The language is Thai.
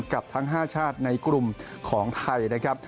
กับทั้ง๕ชาติในกลุ่มของไทยนะครับ